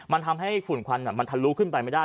มันทำให้ฝุ่นควันมันทะลุขึ้นไปไม่ได้